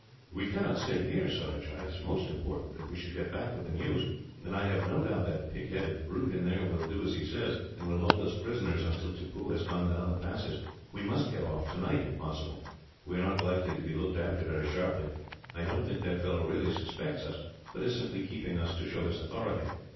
"We cannot stay here, Surajah. It is most important that we should get back with the news, and I have no doubt that pig headed brute in there will do as he says, and will hold us prisoners until Tippoo has gone down the passes. We must get off tonight, if possible. We are not likely to be looked after very sharply. I don't think that fellow really suspects us, but is simply keeping us to show his authority.